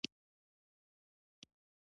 اته اتيا زره دوه سوه شپاړل پښتانه يې وژلي دي